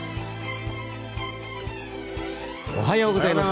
おはようございます。